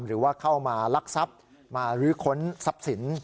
หรือว่าเข้ามาลักษัพมาลื้อค้นซับสิน